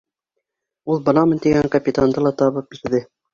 Ул бынамын тигән капитанды ла табып бирҙе.